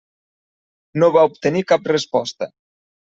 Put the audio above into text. No va obtenir cap resposta.